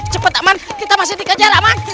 cepet man kita masih di kejar man